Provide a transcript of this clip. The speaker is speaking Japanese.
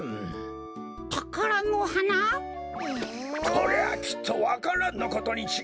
こりゃあきっとわか蘭のことにちがいない。